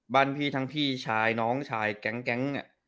บ้านพี่ทั้งพี่ชายน้องชายแก๊งเนี่ย